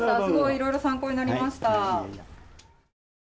いろいろ参考になりました。